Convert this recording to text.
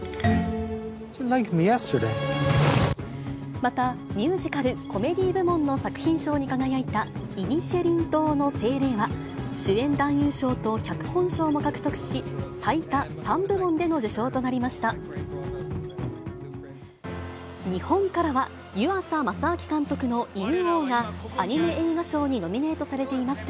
また、ミュージカル・コメディー部門の作品賞に輝いたイニシェリン島の精霊は、主演男優賞と脚本賞も獲得し、最多３部門での受賞となりました。